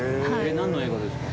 何の映画ですか？